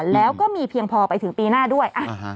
แล้วก็มีเพียงพอไปถึงปีหน้าด้วย